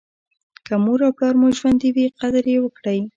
که مور او پلار مو ژوندي وي قدر یې وکړئ.